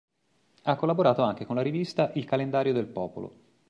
Ha collaborato anche con la rivista "Il Calendario del Popolo".